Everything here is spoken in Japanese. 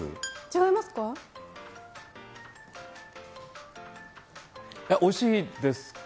違いますか？